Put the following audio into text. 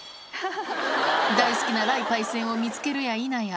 大好きな雷パイセンを見つけるやいなや。